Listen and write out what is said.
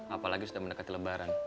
apalagi sudah mendekati lebaran